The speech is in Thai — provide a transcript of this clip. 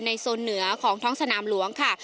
โซนเหนือของท้องสนามหลวงค่ะ